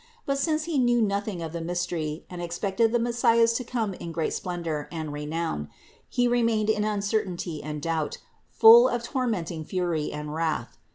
But since he knew nothing of the mystery, and expected the Messias to come in great splendor and re nown, he remained in uncertainty and doubt, full of tor menting fury and wrath.